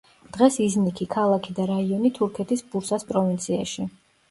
დღეს იზნიქი, ქალაქი და რაიონი თურქეთის ბურსას პროვინციაში.